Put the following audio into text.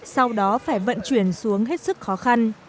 sau đó phải vận chuyển xuống hết sức khó khăn